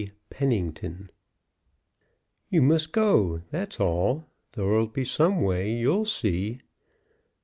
PENNINGTON "You must go; that's all. There will be some way, you'll see."